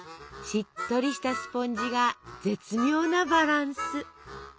しっとりしたスポンジが絶妙なバランス。